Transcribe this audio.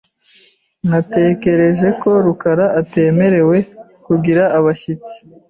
Natekereje ko rukara atemerewe kugira abashyitsi .